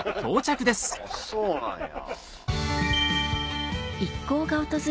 そうなんや。